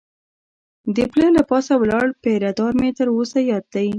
د پله له پاسه ولاړ پیره دار مې تر اوسه یاد دی.